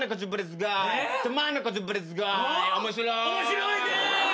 面白いね！